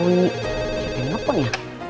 siapa yang nelfon ya